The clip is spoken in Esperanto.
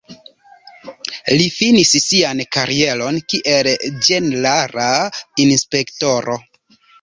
Li finis sian karieron kiel ĝenerala inspektoro.